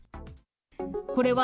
これは、